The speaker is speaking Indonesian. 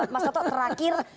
mas toto terakhir